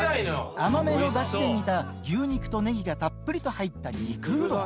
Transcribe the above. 甘めのだしで煮た牛肉とネギがたっぷりと入った肉うどん。